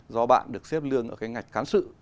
do bạn được xếp lương ở ngạch cán sự